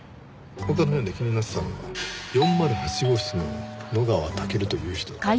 他の部屋で気になったのは４０８号室の野川猛という人。